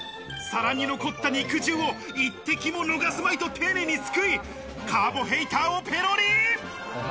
さらに残った肉汁を一滴も逃すまいと丁寧にすくい、カーボヘイターをペロリ。